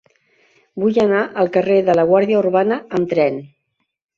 Vull anar al carrer de la Guàrdia Urbana amb tren.